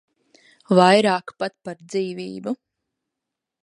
Vairāk pat par dzīvību.